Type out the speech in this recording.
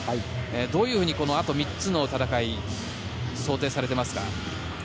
どういうふうにあと３つの戦いを想定されていますか？